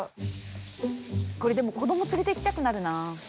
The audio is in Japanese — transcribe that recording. これでも子ども連れていきたくなるな。